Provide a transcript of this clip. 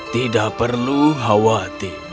tidak perlu khawatir